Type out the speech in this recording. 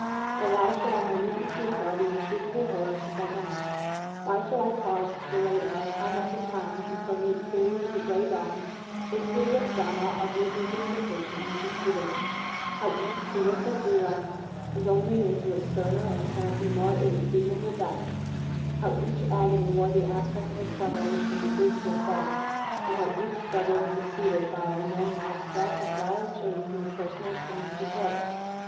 But why shall I minutely detail the unspeakable horrors of that night? Why shall I pause to relate how, time after time, until near the period of the gray dawn, this hideous drama of revivification was repeated; how each terrific relapse was only into a sterner and apparently more irredeemable death; how each agony wore the aspect of a struggle with some invisible foe; and how each struggle was succeeded by I know not what of wild change in the personal appearance of the corpse?